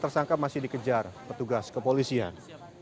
tersangka masih dikejar petugas kepolisian